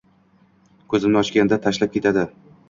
Ko’zimni ochganda tashlab ketadi